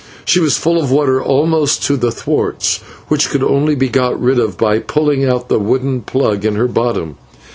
She was full of water almost to the thwarts, which could only be got rid of by pulling out the wooden plug in her bottom.